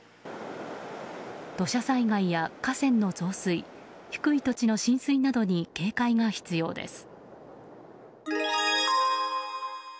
土砂災害や河川の増水低い土地の浸水などに警戒が必要です。